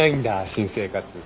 新生活。